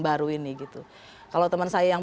baru ini gitu kalau teman saya yang